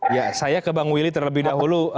ya saya ke bang willy terlebih dahulu